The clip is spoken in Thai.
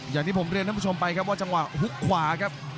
อย่างที่ผมเรียนท่านผู้ชมไปครับว่าจังหวะฮุกขวาครับ